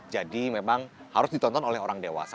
jadi memang harus ditonton oleh orang dewasa